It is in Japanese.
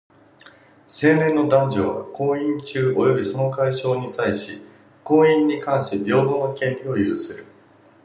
成年の男女は、婚姻中及びその解消に際し、婚姻に関し平等の権利を有する。